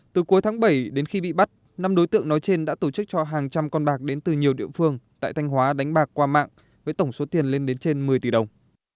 từ cuối tháng bảy đến khi bị bắt năm đối tượng nói trên đã tổ chức cho hàng trăm con bạc đến từ nhiều địa phương tại thanh hóa đánh bạc qua mạng với tổng số tiền lên đến trên một mươi tỷ đồng